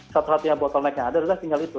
satu satunya bottleneck yang ada adalah tinggal itu